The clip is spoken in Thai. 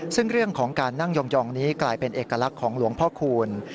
ซึ่งเรื่องของการนั่งยองนี้กลายเป็นเอกลักษณ์ของหลวงพ่อคูณ